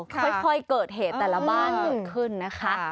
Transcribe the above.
ค่อยเกิดเหตุแต่ละบ้านเกิดขึ้นนะคะ